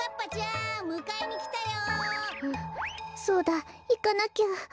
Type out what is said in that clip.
んっそうだいかなきゃ。